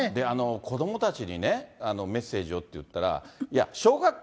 子どもたちにね、メッセージをといったらいや、小学校、